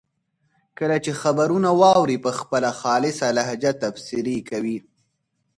کله چې خبرونه واوري په خپله خالصه لهجه تبصرې کوي.